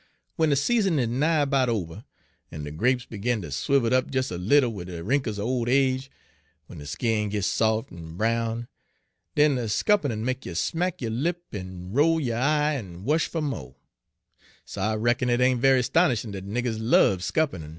W'en de season is nigh 'bout ober, en de grapes begin ter swivel up des a little wid de wrinkles er ole age, w'en de skin git sot' en brown, den de scuppernon' make you smack yo' lip en roll yo' eye en wush fer mo'; so I reckon it ain' very 'stonishin' dat niggers lub scuppernon'.